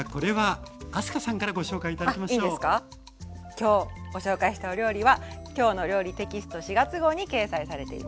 今日ご紹介したお料理は「きょうの料理」テキスト４月号に掲載されています。